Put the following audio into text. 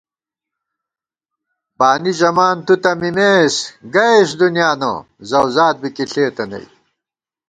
بانی ژَمان تُو تہ مِمېس گئیس دُنیانہ ذَؤزاد بی کی ݪېتہ نئ